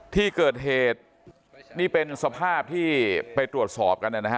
ที่เกิดเหตุนี่เป็นสภาพที่ไปตรวจสอบกันนะฮะ